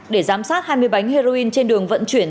để giám sát hai mươi bánh heroin trên đường vận chuyển